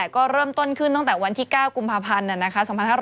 ก็เริ่มต้นขึ้นตั้งแต่วันที่๙กุมภาพันธ์๒๕๕๙